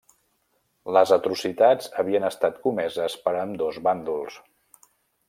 Les atrocitats havien estat comeses per ambdós bàndols.